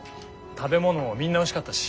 食べ物もみんなおいしかったし。